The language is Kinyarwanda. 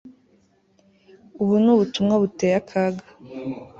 Ubu ni ubutumwa buteye akaga